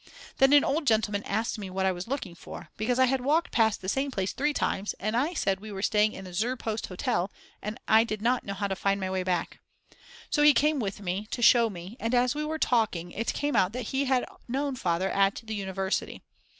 Then an old gentleman asked me what I was looking for; because I had walked past the same place 3 times and I said we were staying in the "Zur Post Hotel" and I did not know how to find my way back. So he came with me to show me and as we were talking it came out that he had known Father at the university.